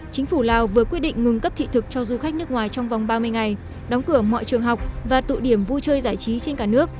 chính phủ lào vừa quyết định ngừng cấp thị thực cho du khách nước ngoài trong vòng ba mươi ngày đóng cửa mọi trường học và tụ điểm vui chơi giải trí trên cả nước